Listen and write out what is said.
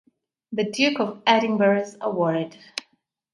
The Duke of Edinburgh's Award.